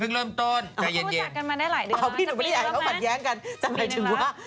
อุ้ยตายแล้ว